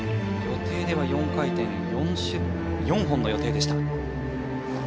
予定では４回転４本の予定でした。